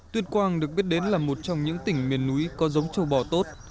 tuyên quang được biết đến là một trong những tỉnh miền núi có giống châu bò tốt